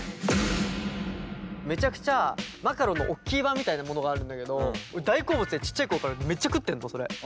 めちゃくちゃマカロンのおっきい版みたいなものがあるんだけど俺大好物でちっちゃい頃からめっちゃ食ってんのそれ。